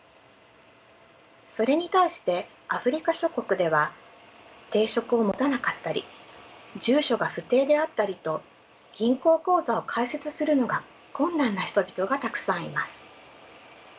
それに対してアフリカ諸国では定職を持たなかったり住所が不定であったりと銀行口座を開設するのが困難な人々がたくさんいます。